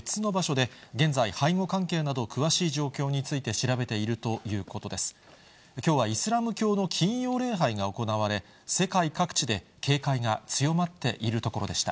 襲撃が起きたのは、大使館内ではなく、きょうはイスラム教の金曜礼拝が行われ、世界各地で警戒が強まっているところでした。